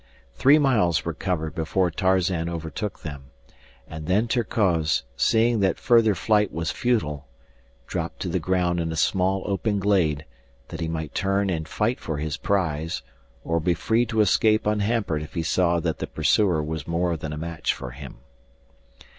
Three miles were covered before Tarzan overtook them, and then Terkoz, seeing that further flight was futile, dropped to the ground in a small open glade, that he might turn and fight for his prize or be free to escape unhampered if he saw that the pursuer was more than a match for him.